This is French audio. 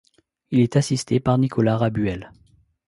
Il est assisté de Nicolas Rabuel.